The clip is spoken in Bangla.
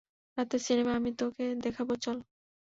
রাতের সিনেমা আমি তোকে দেখাবো, চল।